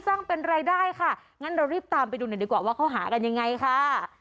สร้างเป็นรายได้ค่ะงั้นเรารีบตามไปดูหน่อยดีกว่าว่าเขาหากันยังไงค่ะ